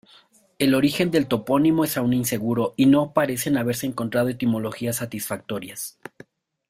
El origen del topónimo es aún inseguro y no parecen haberse encontrado etimologías satisfactorias.